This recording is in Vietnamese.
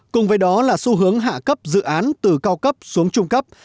cùng với đó là xu hướng hạ cấp dự án từ cao cấp xuống trung cấp